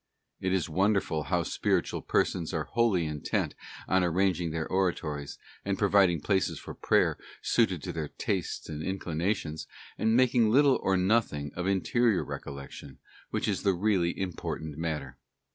It is wonderful how some spiritual persons are wholly intent on arranging their oratories, and providing places for prayer suited to their tastes and inclinations, and making little or nothing of interior recollection, which is the really important matter.